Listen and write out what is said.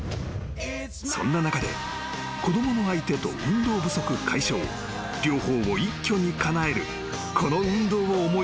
［そんな中で子供の相手と運動不足解消両方を一挙にかなえるこの運動を思い付いたのだとか］